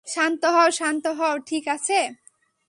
শান্ত হও শান্ত হও, ঠিক আছে?